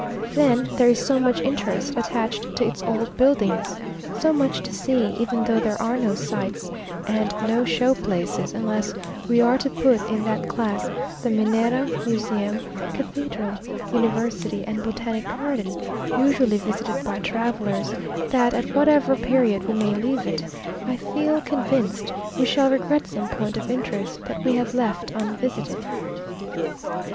Then there is so much interest attached to its old buildings, so much to see, even though there are no sights and no show places, unless we are to put in that class the Minera, Museum, Cathedral, University, and Botanic Garden, usually visited by travellers, that at whatever period we may leave it, I feel convinced we shall regret some point of interest, that we have left unvisited....